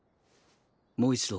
もう一度。